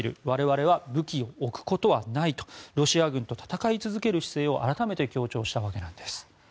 我々は武器を置くことはないとロシア軍と戦い続ける姿勢を改めて強調したわけなんです。